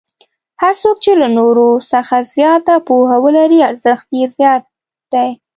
هر څوک چې له نورو څخه زیاته پوهه ولري ارزښت یې زیات دی.